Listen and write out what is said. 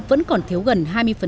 vẫn còn thiếu gần hai mươi